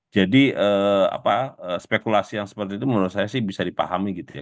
jadi spekulasi yang seperti itu menurut saya sih bisa dipahami gitu ya